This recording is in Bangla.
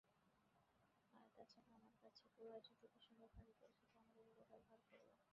আর তাছাড়া আমার কাছে গুহায় যতদূর সম্ভব আগে পৌঁছাতে আমরা এগুলো ব্যবহার করব।